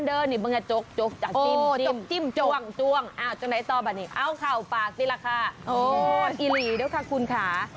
โอ้อิหลีด้วยค่ะคุณค่ะ